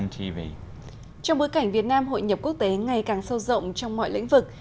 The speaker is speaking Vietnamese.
trong bối cảnh việt nam hội nhập quốc tế ngày càng sâu rộng trong mọi lĩnh vực